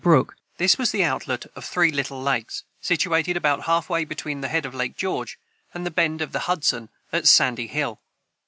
] [Footnote 44: This was the outlet of three little lakes, situated about half way between the head of Lake George and the bend of the Hudson at Sandy Hill.